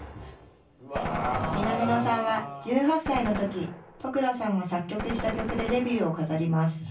南野さんは１８歳の時都倉さんが作曲した曲でデビューを飾ります。